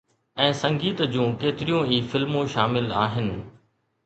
۽ سنگيت جون ڪيتريون ئي فلمون شامل آهن.